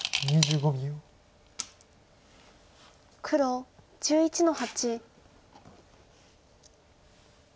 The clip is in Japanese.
黒１１の八。